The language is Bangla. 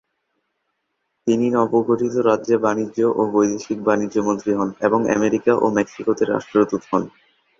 তিনি নবগঠিত রাজ্যে বাণিজ্য ও বৈদেশিক বাণিজ্য মন্ত্রী হন এবং আমেরিকা ও মেক্সিকোতে রাষ্ট্রদূত হন।